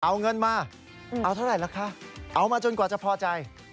เอาเงินมาเอาเท่าไหร่ล่ะคะเอามาจนกว่าจะพอใจ